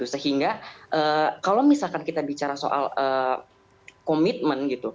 sehingga kalau misalkan kita bicara soal komitmen gitu